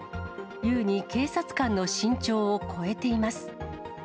優に警察官の身長を超えています。